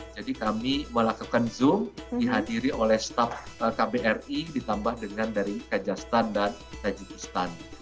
jadi kami melakukan zoom dihadiri oleh staff kbri ditambah dengan dari kajastan dan tijakarta